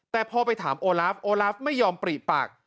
แต่พอไปถามโอลาฟโอลาฟไม่ยอมปรีปาก